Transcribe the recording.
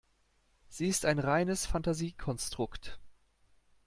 Sie ist ein reines Fantasiekonstrukt.